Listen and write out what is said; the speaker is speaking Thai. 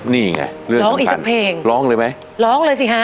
นี่ไงเรื่องสำคัญร้องเลยมั้ยร้องไอ้สักเพลงร้องเลยสิฮะ